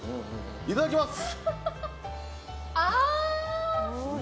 いただきます。